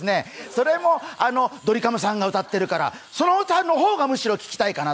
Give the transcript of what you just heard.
それもドリカムさんが歌っているからその歌の方がむしろ聴きたいかな。